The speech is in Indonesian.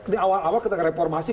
di awal awal ketika reformasi